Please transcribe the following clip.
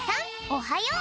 おはよう！